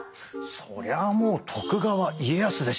そりゃもう徳川家康でしょ！